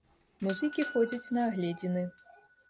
Музыкі ходзяць на агледзіны.